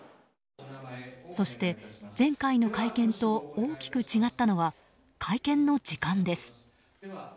そして、前回の会見と大きく違ったのは会見の時間です。